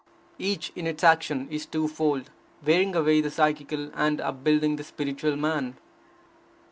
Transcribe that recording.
Each, in its action, is two fold, wearing away the psychical, and upbuilding the spiritual man.